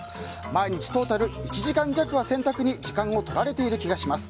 毎日トータル１時間弱は洗濯に時間を取られている気がします。